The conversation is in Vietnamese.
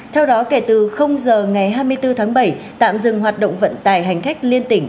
theo đó kể từ giờ ngày hai mươi bốn tháng bảy tạm dừng hoạt động vận tải hành khách liên tỉnh